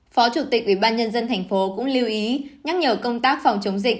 phó chủ tịch ủy ban nhân dân thành phố cũng lưu ý nhắc nhở công tác phòng chống dịch